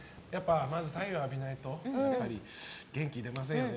まず太陽浴びないと元気出ませんよね。